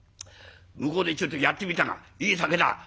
向こうでちょっとやってみたがいい酒だ」。